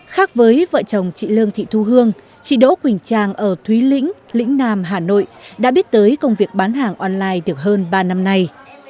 khác với vợ chồng chị lương thị thu hương chị đỗ quỳnh trang ở thúy lĩnh lĩnh nam hà nội đã biết tới công việc bán hàng online được hơn ba năm nay